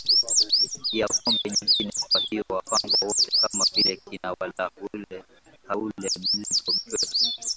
ya pombe nyingineKwa hiyo Wapangwa wote kama vile kina Willah Haule Muligo Mtweve